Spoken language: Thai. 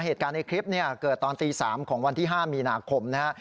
เหตุการณ์ในคลิปเนี่ยเกิดตอนตี๓ของวันที่๕มีนาคมนะฮะ